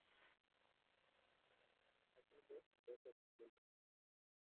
aminye eng kokwee ne mining.